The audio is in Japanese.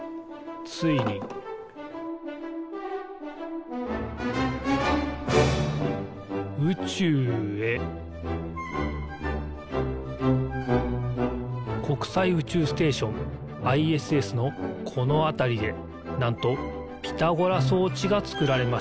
ついに宇宙へ国際宇宙ステーションＩＳＳのこのあたりでなんとピタゴラそうちがつくられました。